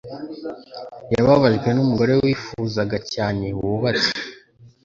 Yababajwe numugore wifuzaga cyane wubatse,